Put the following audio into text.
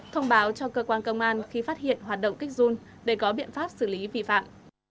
thông báo cho cơ quan công an khi phát hiện hoạt động kích run để có biện pháp xử lý vi phạm